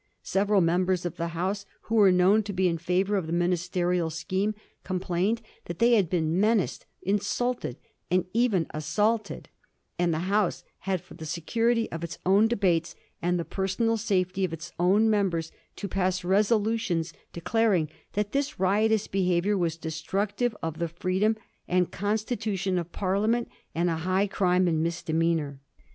Several members of the House who were known to be in fiivour of the ministerial scheme complained that they had been menaced, insulted, and even assaulted ; and the House had for the security of its own debates, and the personal safety of its own members, to pass resolutions declar ing that this riotous behaviour was destructive of the freedom and constitution of Parliament, and a high crime and misdemeanour.